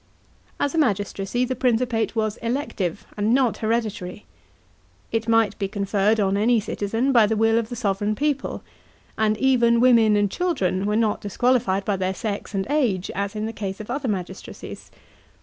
As a magistracy, the Principate was elective and not hereditary. It might be conferred on any citizen by the will of the sovran people; and even women and children were not disqualified by their sex and age, as in the case of other magistracies.